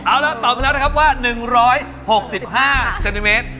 เอาละตอบครั้งนั้นนะครับว่า๑๖๕เซนติเมตร